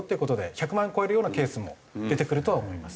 １００万を超えるようなケースも出てくるとは思います。